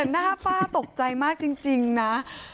แต่หน้าป้าตกใจมากจริงนะ